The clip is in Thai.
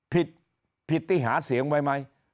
ผิดผิดที่หาเสียงไว้ไหม